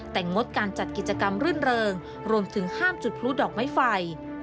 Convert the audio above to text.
แต่งดการจัดกิจกรรมรื่นเริงรวมถึงห้ามจุดพลุดอกไม้ไฟ